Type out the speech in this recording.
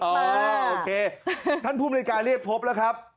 โอเคท่านผู้บริการเรียกพบแล้วครับ